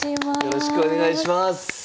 よろしくお願いします。